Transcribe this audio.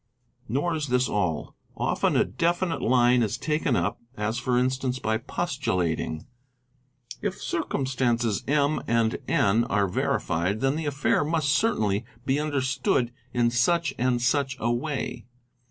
| Nor is this all: often a definite line is taken up, as for instance by postulating, "If circumstances M. & N. are verified then the affair must certainly be understood in such and such a way.